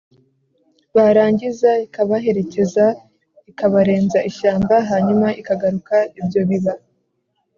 barangiza ikabaherekeza, ikabarenza ishyamba, hanyuma ikagaruka. ibyo biba